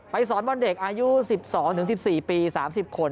สอนบอลเด็กอายุ๑๒๑๔ปี๓๐คน